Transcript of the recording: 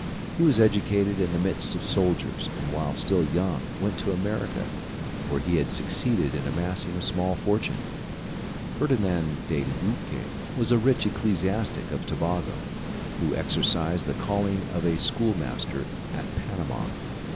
He was educated in the midst of soldiers, and while still young went to America, where he had succeeded in amassing a small fortune. Ferdinand de Luque was a rich ecclesiastic of Tobago, who exercised the calling of a schoolmaster at Panama.